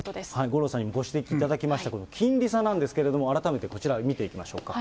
五郎さんにもご指摘いただきましたけれども、この金利差なんですけれども、改めてこちら見ていきましょうか。